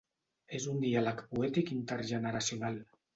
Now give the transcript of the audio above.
És un diàleg poètic intergeneracional.